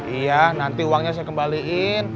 iya nanti uangnya saya kembaliin